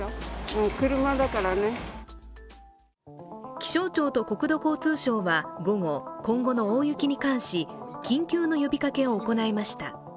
気象庁と国土交通省は、午後、今後の大雪に関し緊急の呼びかけを行いました。